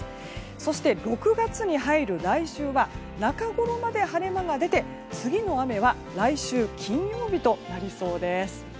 そして、６月に入る来週は中ごろまで晴れ間が出て、次の雨は来週金曜日となりそうです。